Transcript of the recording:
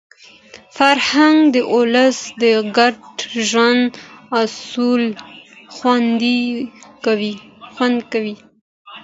فرهنګ د ولس د ګډ ژوند اصول خوندي کوي.